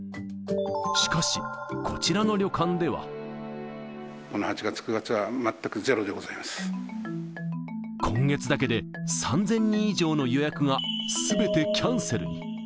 しかし、この８月、９月は、全くゼロ今月だけで３０００人以上の予約が、すべてキャンセルに。